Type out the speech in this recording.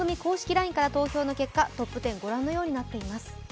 ＬＩＮＥから投票の結果、トップ１０はこのようになりました。」